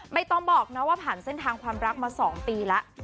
ต้องบอกนะว่าผ่านเส้นทางความรักมา๒ปีแล้ว